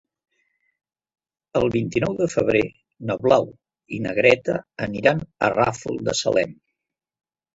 El vint-i-nou de febrer na Blau i na Greta aniran al Ràfol de Salem.